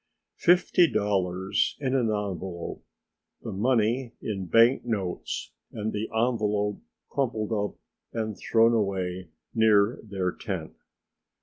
Fifty dollars in an envelope, the money in bank notes and the envelope crumpled up and thrown away near their tent!